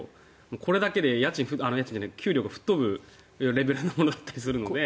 これだけで給料が吹っ飛ぶレベルだったりするので。